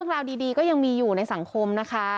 ราวดีก็ยังมีอยู่ในสังคมนะคะ